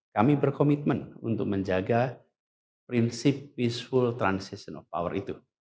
kami berkomitmen untuk menjaga prinsip peaceful transition of power itu